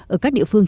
ở các địa phương